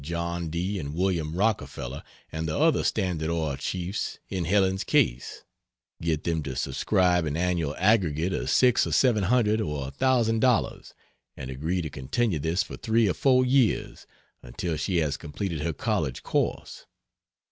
John D. and William Rockefeller and the other Standard Oil chiefs in Helen's case; get them to subscribe an annual aggregate of six or seven hundred or a thousand dollars and agree to continue this for three or four years, until she has completed her college course.